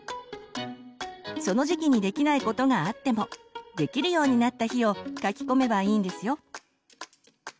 その時期にできないことがあってもできるようになった日を書き込めばいいんですよ。